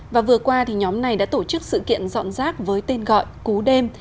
và vừa qua nhóm này đã tổ chức sự kiện dọn rác với tên gọi cú đêm